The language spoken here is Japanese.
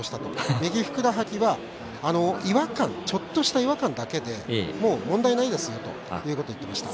右ふくらはぎは、ちょっとした違和感だけでもう問題ないですと言っていました。